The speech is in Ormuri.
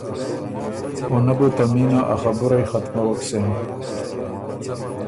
او نۀ بو ته مینه ا خبُرئ ختمَوَک سېن۔